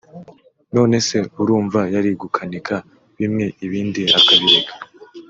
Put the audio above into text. nonese urumva yari gukanika bimwe ibindi akabireka